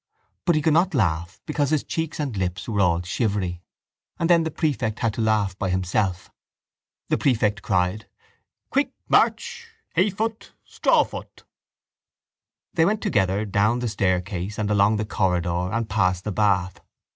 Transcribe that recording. But he could not laugh because his cheeks and lips were all shivery: and then the prefect had to laugh by himself. The prefect cried: —Quick march! Hayfoot! Strawfoot! They went together down the staircase and along the corridor and past the bath.